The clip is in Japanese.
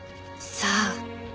さあ。